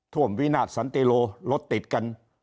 ท่วมวินาศัณติโลรถติดกัน